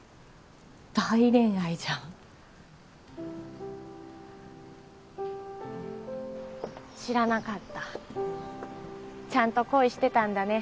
大恋愛じゃん知らなかったちゃんと恋してたんだね